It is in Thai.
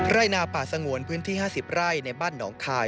ไร่นาป่าสงวนพื้นที่๕๐ไร่ในบ้านหนองคาย